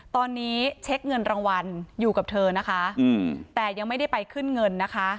ตอนนี้เช็คเงินรางวัลอยู่กับเธอนะคะแต่ยังไม่ได้ไปขึ้นเงินนะคะ